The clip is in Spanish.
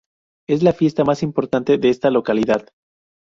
Es la fiesta más importante de esta localidad.